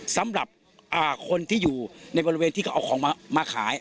สำหรับคนที่อยู่ในบริเวณที่เขาเอาของมาขาย